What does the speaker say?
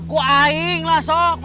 ku aing lah sok